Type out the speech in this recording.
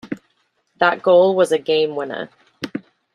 That goal was a game-winner.